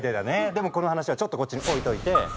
でもこの話はちょっとこっちに置いといて。